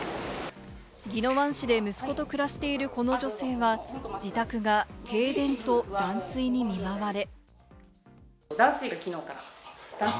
宜野湾市で息子と暮らしているこの女性は、自宅が停電と断水に見舞われ。